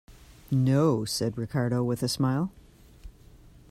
"No," said Ricardo, with a smile.